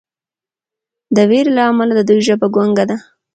د ویرې له امله د دوی ژبه ګونګه ده.